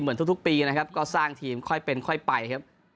เหมือนทุกปีนะครับก็สร้างทีมค่อยเป็นค่อยไปครับ